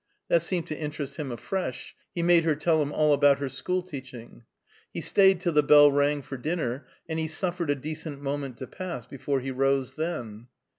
That seemed to interest him afresh; he made her tell him all about her school teaching. He stayed till the bell rang for dinner, and he suffered a decent moment to pass before he rose then.